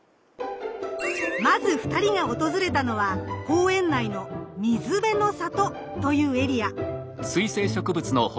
まず２人が訪れたのは公園内の「水辺のさと」というエリア。